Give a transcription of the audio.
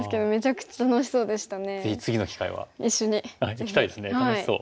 行きたいですね楽しそう。